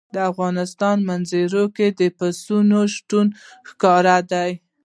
د افغانستان په منظره کې د پسونو شتون ښکاره دی.